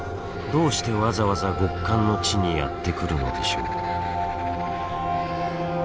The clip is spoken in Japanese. どうしてわざわざ極寒の地にやって来るのでしょう。